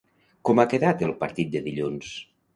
Com ha quedat el partit de dilluns?